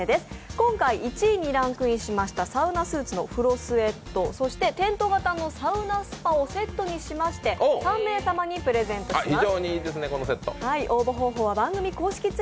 今回、１位にランクインしましたサウナスーツのフロスエット、そして、テント型のサウナスパをセットにしまして３名様にプレゼントします。